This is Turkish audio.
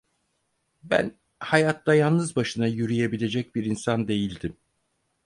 Ben hayatta yalnız başına yürüyebilecek bir insan değildim.